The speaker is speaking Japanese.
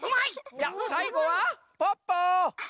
じゃあさいごはポッポ！